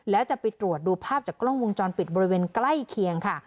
แล้วจะไปตรวจดูภาพจากกล้องวงจรปิดบริเวณใกล้เคียงค่ะ